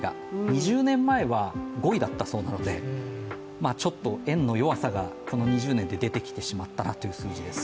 ２０年前は５位だったそうなのでちょっと円の弱さがこの２０年で出てきてしまったなという数字です